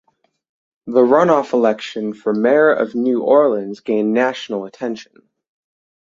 The runoff election for Mayor of New Orleans gained national attention.